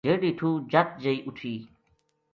ڈھیڈ ہِیٹُو جَت جئی اُ ٹھی